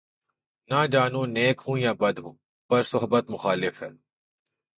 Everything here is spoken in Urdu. نہ جانوں نیک ہوں یا بد ہوں‘ پر صحبت مخالف ہے